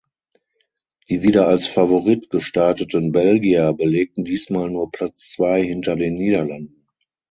Die wieder als Favorit gestarteten Belgier belegten diesmal nur Platz zwei hinter den Niederlanden.